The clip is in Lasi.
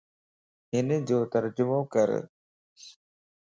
ھن جو ترجمو ڪر